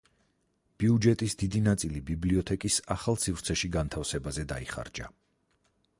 ბიუჯეტის დიდი ნაწილი ბიბლიოთეკის ახალ სივრცეში განთავსებაზე დაიხარჯა.